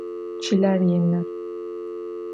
Çıler yinı.